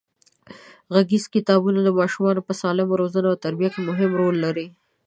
غږیز کتابونه د ماشومانو په سالمه روزنه او تربیه کې مهم رول لري.